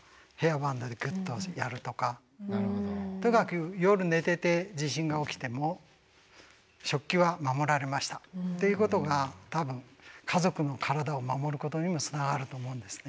とにかく夜寝てて地震が起きても食器は守られましたっていうことが多分家族の体を守ることにもつながると思うんですね。